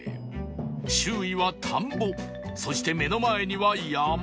周囲は田んぼそして目の前には山